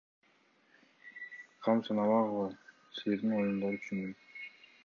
Кам санабагыла, силердин оюңарды түшүндүм.